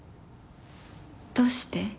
どうして？